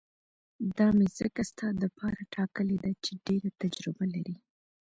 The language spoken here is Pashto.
دا مې ځکه ستا دپاره ټاکلې ده چې ډېره تجربه لري.